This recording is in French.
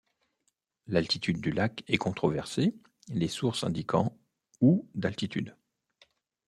L'altitude du lac est controversée, les sources indiquant ou d'altitude.